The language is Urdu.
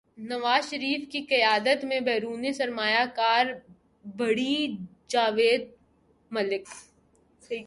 نواز شریف کی قیادت میں بیرونی سرمایہ کاری بڑھی جاوید ملک